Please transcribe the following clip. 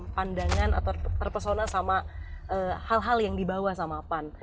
pandangan atau terpesona sama hal hal yang dibawa sama pan